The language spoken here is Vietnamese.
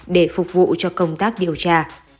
để phục vụ cho công tác điều tra